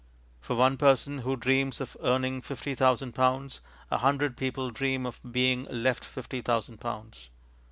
For one person who dreams of earning fifty thousand pounds, a hundred people dream of being left fifty thousand pounds.